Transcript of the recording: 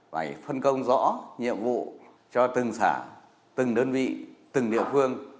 phải phân công rõ nhiệm vụ cho từng xã từng đơn vị từng địa phương